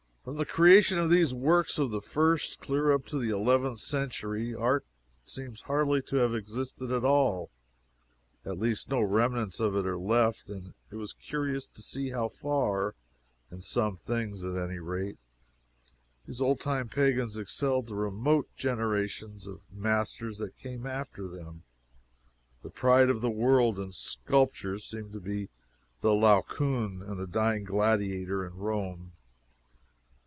From the creation of these works of the first, clear up to the eleventh century, art seems hardly to have existed at all at least no remnants of it are left and it was curious to see how far (in some things, at any rate,) these old time pagans excelled the remote generations of masters that came after them. The pride of the world in sculptures seem to be the Laocoon and the Dying Gladiator, in Rome.